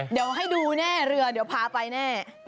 เดี๋ยวให้ดูแน่เรือเดี๋ยวพาไปแน่